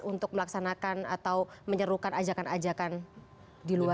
untuk melaksanakan atau menyerukan ajakan ajakan di luar